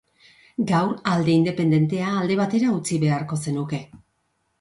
Gaur alde independentea alde batera utzi beharko zenuke.